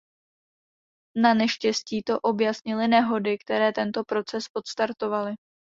Naneštěstí to objasnily nehody, které tento proces odstartovaly.